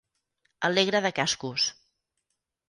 Alegre de cascos.